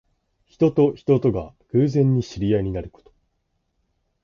人と人とが偶然に知り合いになること。